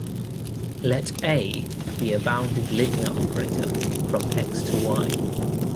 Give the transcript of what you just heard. Let "A" be a bounded linear operator from "X" to "Y".